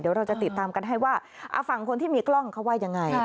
เดี๋ยวเราจะติดตามกันให้ว่าฝั่งคนที่มีกล้องเขาว่ายังไง